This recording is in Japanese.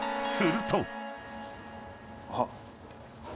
すると］あっ。